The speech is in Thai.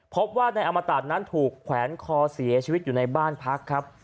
พบว่านายอมตะนั้นถูกแขวนคอเสียชีวิตอยู่ในบ้านพักครับ